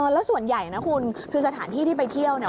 แล้วส่วนใหญ่นะคุณคือสถานที่ที่ไปเที่ยวเนี่ย